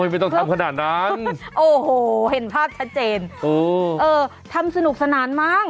ไม่ต้องทำขนาดนั้นโอ้โหเห็นภาพชัดเจนทำสนุกสนานมั้ง